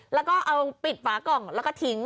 แล้วก็เอาปิดฝากล่องแล้วก็ทิ้ง